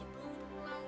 kak ayah jadi burung